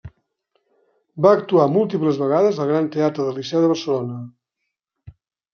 Va actuar múltiples vegades al Gran Teatre del Liceu de Barcelona.